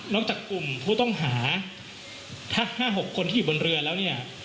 จากกลุ่มผู้ต้องหาทั้ง๕๖คนที่อยู่บนเรือแล้วเนี่ย